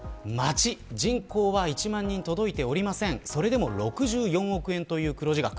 人口は１万人に届いていませんがそれでも６４億円という黒字額。